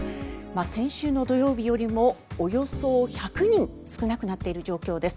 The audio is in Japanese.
先週の土曜日よりもおよそ１００人少なくなっている状況です。